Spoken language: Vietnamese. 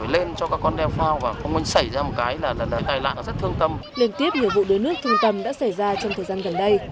liên tiếp nhiều vụ đuối nước thương tâm đã xảy ra trong thời gian gần đây